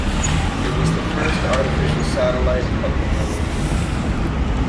It was the first artificial satellite of the Moon.